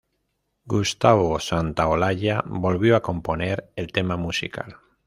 Gustavo Santaolalla volvió a componer el tema musical.